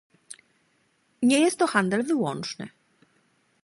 Nie jest to handel wyłączny